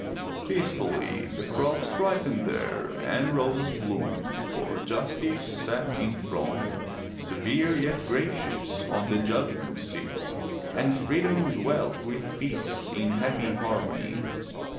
Peacefully the J yeoman's 343 MY BOOK HOUSE crops ripened there and roses bloomed, for Justice sat enthroned, severe yet gracious, on the judgment seat, and Freedom dwelt with Peace in happy harmony.